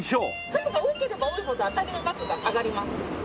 数が多ければ多いほど当たりの額が上がります。